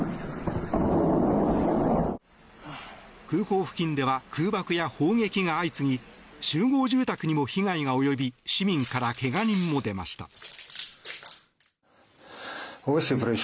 空港付近では空爆や砲撃が相次ぎ集合住宅にも被害が及び市民から怪我人も出ました。